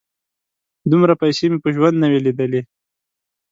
_دومره پيسې مې په ژوند نه وې لېدلې.